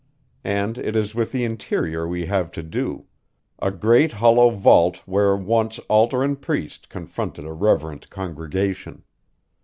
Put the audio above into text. And it is with the interior we have to do a great hollow vault where once altar and priest confronted a reverent congregation.